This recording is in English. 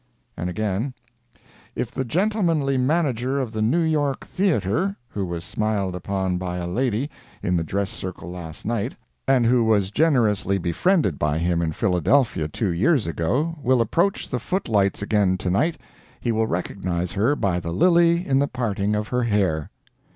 And again: "IF THE GENTLEMANLY MANAGER OF THE NEW YORK Theatre, who was smiled upon by a lady in the dress circle last night, and who was generously befriended by him in Philadelphia two years ago, will approach the footlights again to night, he will recognize her by the lily in the parting of her hair."